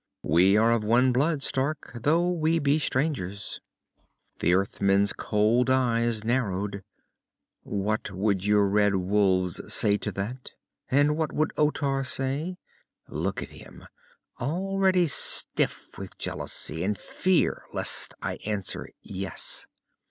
"We are of one blood, Stark, though we be strangers." The Earthman's cold eyes narrowed. "What would your red wolves say to that? And what would Otar say? Look at him, already stiff with jealousy, and fear lest I answer, 'Yes'."